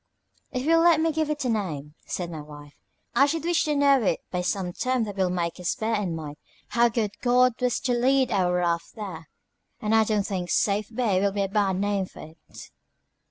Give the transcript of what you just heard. "If you will let me give it a name," said my wife, "I should wish to know it by some term that will make us bear in mind how good God was to lead our raft there, and I don't think Safe Bay will be a bad name for it."